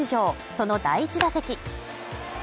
その第１打席。